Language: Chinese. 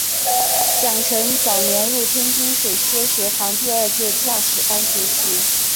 蒋拯早年入天津水师学堂第二届驾驶班学习。